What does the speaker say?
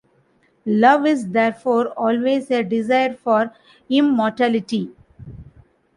Love is therefore always a desire for immortality.